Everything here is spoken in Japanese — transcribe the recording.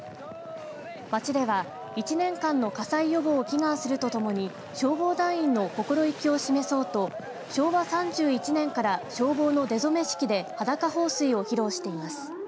町では１年間の火災予防を祈願するとともに消防団員の心意気を示そうと昭和３１年から消防の出初め式で裸放水を披露しています。